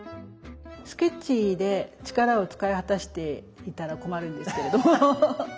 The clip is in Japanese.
スケッチで力を使い果たしていたら困るんですけれども。